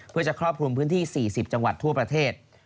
เพื่อจะครอบคลุมพื้นที่๔๐จังหวัดทั่วประเทศ